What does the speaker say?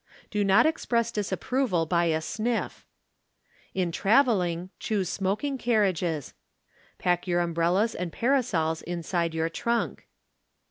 Do not express disapproval by a sniff. In travelling, choose smoking carriages; pack your umbrellas and parasols inside your trunk.